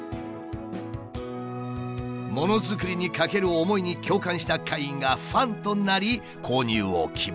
ものづくりにかける思いに共感した会員がファンとなり購入を希望。